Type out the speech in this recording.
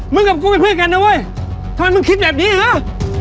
กับกูเป็นเพื่อนกันนะเว้ยทำไมมึงคิดแบบนี้เหรอ